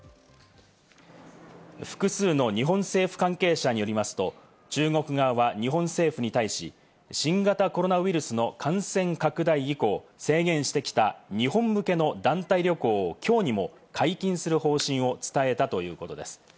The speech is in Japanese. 複数の日本政府関係者によりますと、中国側は日本政府に対し、新型コロナウイルスの感染拡大以降、制限してきた日本向けの団体旅行をきょうにも解禁する方針を伝えたということです。